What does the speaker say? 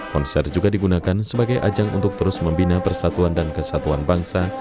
konser juga digunakan sebagai ajang untuk terus membina persatuan dan kesatuan bangsa